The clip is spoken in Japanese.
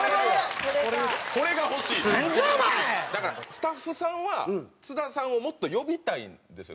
スタッフさんは津田さんをもっと呼びたいんですよ